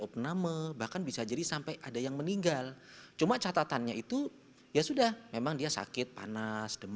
opname bahkan bisa jadi sampai ada yang meninggal cuma catatannya itu ya sudah memang dia sakit panas demi